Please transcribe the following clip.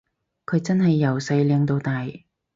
佢真係由細靚到大